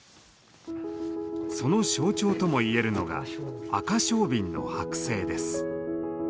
その象徴ともいえるのがアカショウビンの剥製です。